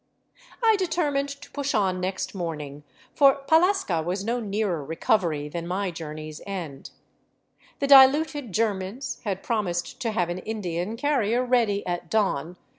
I determined to push on next morning, for Pallasca was no nearer recovery than my journey's end. The diluted Germans had prom ised to have an Indian carrier ready at dawn.